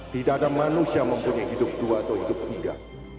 tidak ada manusia mempunyai hidup dua atau hidup tiga